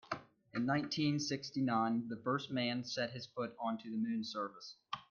In nineteen-sixty-nine the first man set his foot onto the moon's surface.